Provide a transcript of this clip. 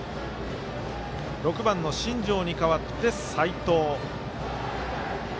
６番の新城に代わって齋藤。